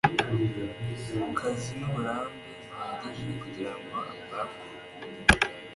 kazi n uburambe buhagije kugirango akore ako